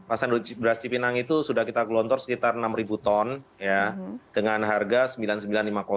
pasar beras cipinang itu sudah kita gelontor sekitar enam ton dengan harga rp sembilan puluh sembilan lima